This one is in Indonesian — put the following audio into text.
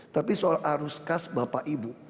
tapi soal arus kas bapak ibu